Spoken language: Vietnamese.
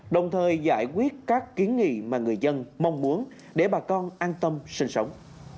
đồng thời giải quyết các kiến nghị mà người dân mong muốn để bà con an tâm sinh sống